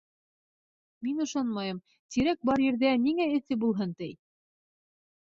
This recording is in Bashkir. Мин ышанмайым: тирәк бар ерҙә ниңә эҫе булһын, ти?